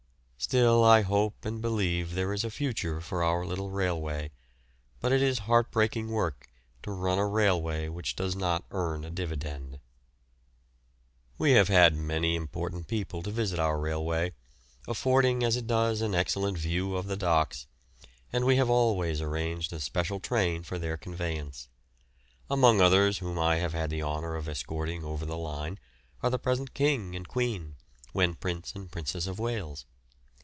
Still I hope and believe there is a future for our little railway, but it is heartbreaking work to run a railway which does not earn a dividend. We have had many important people to visit our railway, affording as it does an excellent view of the docks, and we have always arranged a special train for their conveyance. Among others whom I have had the honour of escorting over the line are the present King and Queen when Prince and Princess of Wales.